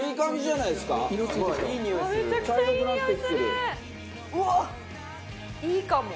いいかも。